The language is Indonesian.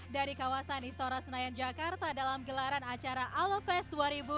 dari kawasan istora senayan jakarta dalam gelaran acara alo fest dua ribu dua puluh